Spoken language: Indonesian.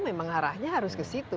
memang arahnya harus ke situ